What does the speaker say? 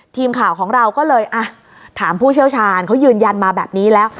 ทีมข่าวของเราก็เลยอ่ะถามผู้เชี่ยวชาญเขายืนยันมาแบบนี้แล้ว